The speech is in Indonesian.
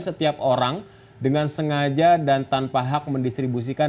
setiap orang dengan sengaja dan tanpa hak mendistribusikan